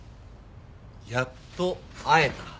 やっと会えた。